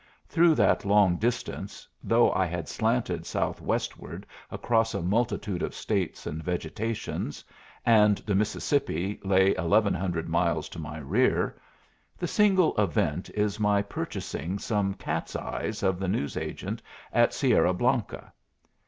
Through that long distance, though I had slanted southwestward across a multitude of States and vegetations, and the Mississippi lay eleven hundred miles to my rear, the single event is my purchasing some cat's eyes of the news agent at Sierra Blanca.